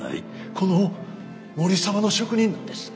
この森澤の職人なんです。